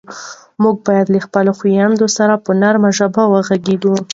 موږ باید له خپلو خویندو سره په نرمه ژبه غږېږو.